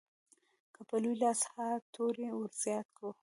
که په لوی لاس ها توری ورزیات کړو.